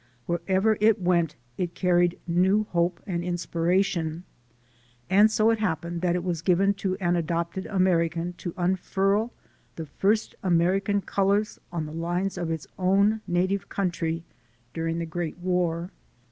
Wherever it went it car ried new hope and inspiration. And so it happened that it was given to an adopted American to unfurl the first American colors on the lines of his own native country during the Great War.